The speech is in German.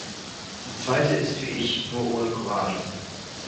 Die zweite ist wie ich, nur ohne Courage.